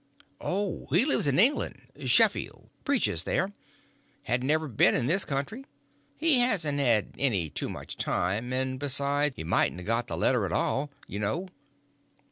"Oh, he lives in England—Sheffield—preaches there—hasn't ever been in this country. He hasn't had any too much time—and besides he mightn't a got the letter at all, you know."